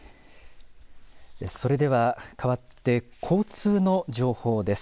それではかわって交通の情報です。